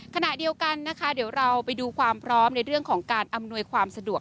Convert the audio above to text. ขณะเดียวกันนะคะเดี๋ยวเราไปดูความพร้อมในเรื่องของการอำนวยความสะดวก